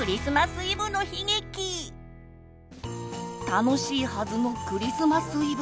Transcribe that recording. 楽しいはずのクリスマスイブ。